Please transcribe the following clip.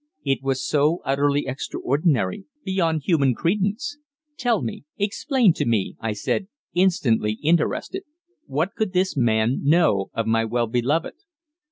It was so utterly extraordinary beyond human credence." "Tell me explain to me," I said, instantly interested. What could this man know of my well beloved?